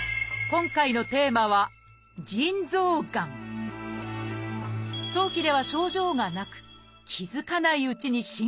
今回のテーマは早期では症状がなく気付かないうちに進行していることも。